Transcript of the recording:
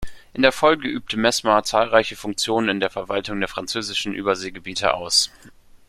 In der Folge übte Messmer zahlreiche Funktionen in der Verwaltung der französischen Überseegebiete aus.